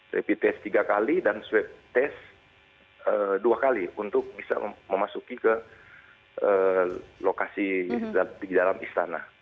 repi tes tiga kali dan suet tes dua kali untuk bisa memasuki ke lokasi di dalam istana